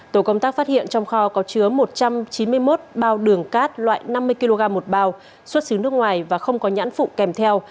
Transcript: tổ công tác phát hiện trong kho có chứa một trăm chín mươi một bao đường cát loại năm mươi kg một bao xuất xứ nước ngoài và không có nhãn phụ kèm theo